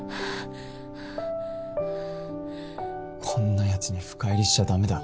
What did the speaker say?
こんなやつに深入りしちゃ駄目だ